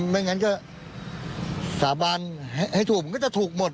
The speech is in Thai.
ไม่งั้นก็สาบานให้ถูกมันก็จะถูกหมด